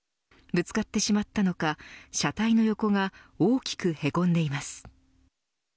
ぶつかってしまったのか車体の横が大きくへこんでいます。